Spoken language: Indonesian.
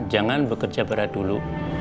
jangan bekerja berat dulu